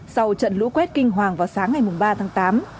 sau trận lũ quét kinh hoàng vào sáng ngày ba tháng tám